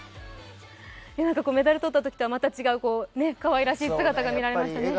メダルとったときとはまた違ったかわいらしい姿が見られました。